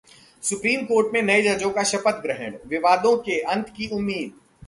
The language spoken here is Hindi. सुप्रीम कोर्ट में नए जजों का शपथग्रहण, विवादों के अंत की उम्मीद